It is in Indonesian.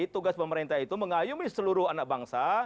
tugas pemerintah itu mengayumi seluruh anak bangsa